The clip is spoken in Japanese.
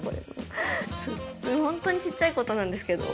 ホントにちっちゃいことなんですけど。